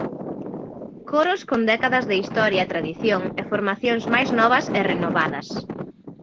Coros con décadas de historia e tradición e formacións máis novas e renovadas.